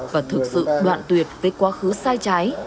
và thực sự đoạn tuyệt với quá khứ sai trái